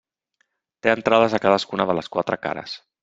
Té entrades a cadascuna de les quatre cares.